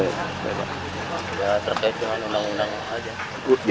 ya terkait dengan undang undang aja